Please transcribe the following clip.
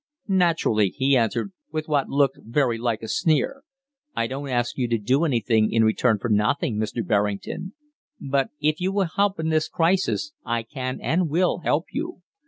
"Naturally," he answered, with what looked very like a sneer; "I don't ask you to do anything in return for nothing, Mr. Berrington. But if you will help in this crisis, I can, and will, help you.